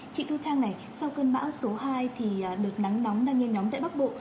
chị thu trang này sau cơn bão số hai thì đợt nắng nóng đang nhen nóng tại bắc bộ